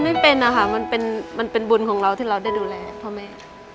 ไม่เป็นนะคะมันเป็นบุญของเราที่เราได้ดูแลพ่อแม่